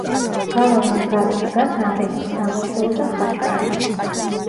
გალავნის გარეთ დგას რამდენიმე სამლოცველო და ხაჩკარი.